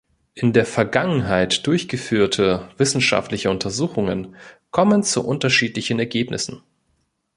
In der Vergangenheit durchgeführte wissenschaftliche Untersuchungen kommen zu unterschiedlichen Ergebnissen.